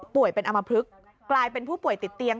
เป็นอมพลึกกลายเป็นผู้ป่วยติดเตียง